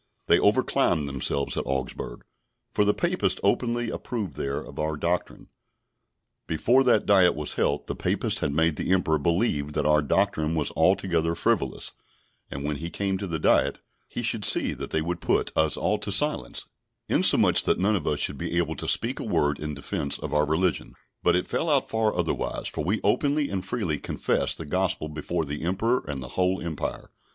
They over climbed themselves at Augsburg, for the Papists openly approved there of our doctrine. Before that Diet was held, the Papists had made the Emperor believe that our doctrine was altogether frivolous; and when he came to the Diet, he should see that they would put us all to silence, insomuch that none of us should be able to speak a word in defence of our religion; but it fell out far otherwise; for we openly and freely confessed the Gospel before the Emperor and the whole Empire.